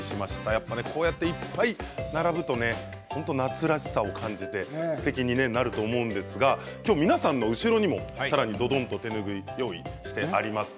やっぱりこうやっていっぱい並ぶと夏らしさを感じてすてきになると思うんですがきょう、皆さんの後ろにもさらに、ドドンと手ぬぐい用意してあります。